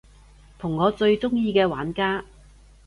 同我最鍾意嘅玩家